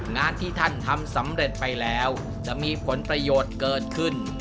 งานที่ท่านทำสำเร็จไปแล้วจะมีผลประโยชน์เกิดขึ้น